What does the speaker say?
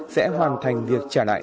sẽ hoàn thành việc trả lại